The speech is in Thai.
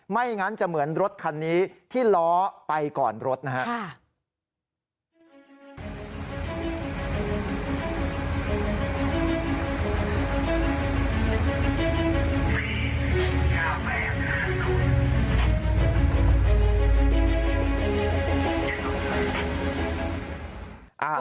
ไม่งั้นจะเหมือนรถคันนี้ที่ล้อไปก่อนรถนะฮะ